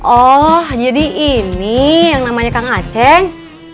oh jadi ini yang namanya kang aceh